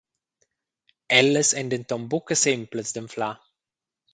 Ellas ein denton buca semplas d’anflar.